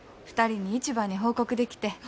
２人に一番に報告できて。